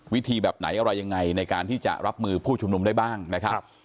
วิธีแบบไหนอะไรยังไงในการที่จะรับมือผู้ชุมนุมได้บ้างนะครับ